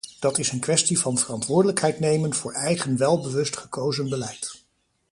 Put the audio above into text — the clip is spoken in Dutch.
Dat is een kwestie van verantwoordelijkheid nemen voor eigen welbewust gekozen beleid.